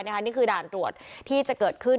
นี่คือด่านตรวจที่จะเกิดขึ้น